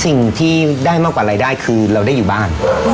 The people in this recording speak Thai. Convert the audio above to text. สิ่งที่ได้มากกว่ารายได้คือเราได้อยู่บ้าน